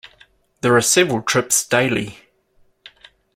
There are several trips daily.